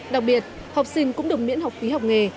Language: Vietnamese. đặc biệt học sinh cũng được miễn học phí học nghề